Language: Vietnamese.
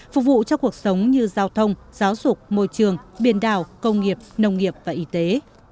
phục vụ cho cuộc sống như giao thông giáo dục môi trường biển đảo công nghiệp nông nghiệp và y tế